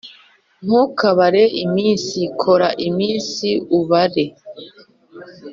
ntukabare iminsi, kora iminsi ubare!